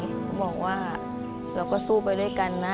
เขาบอกว่าเราก็สู้ไปด้วยกันนะ